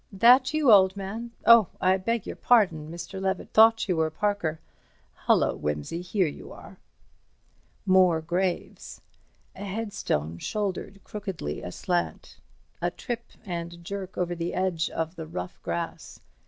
"That you, old man? Oh, I beg your pardon, Mr. Levett—thought you were Parker." "Hullo, Wimsey—here you are." More graves. A headstone shouldered crookedly aslant. A trip and jerk over the edge of the rough grass.